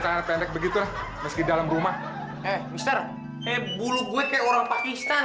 jangan pakai cara pendek begitu meski dalam rumah eh mister eh bulu gue kayak orang pakistan